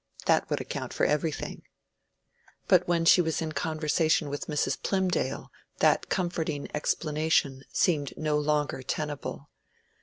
That would account for everything. But when she was in conversation with Mrs. Plymdale that comforting explanation seemed no longer tenable.